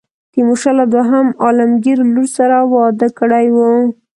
تیمورشاه له دوهم عالمګیر لور سره واده کړی وو.